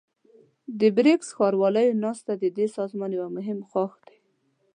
د بريکس ښارواليو ناسته ددې سازمان يو مهم ښاخ دی.